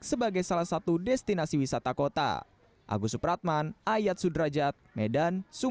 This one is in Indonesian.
sebagai salah satu destinasi wisata kota